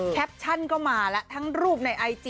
แคปชั่นก็มาแล้วทั้งรูปในไอจี